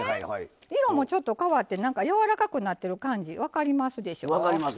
色もちょっと変わってやわらかくなってる感じ分かりますでしょ。